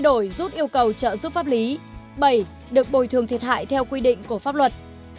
bảy được bồi thường thiệt hại theo quy định của pháp luật